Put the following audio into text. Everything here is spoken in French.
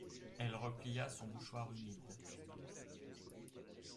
Elle replia son mouchoir humide.